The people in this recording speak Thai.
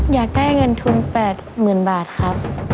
อยากได้เงินทุน๘๐๐๐บาทครับ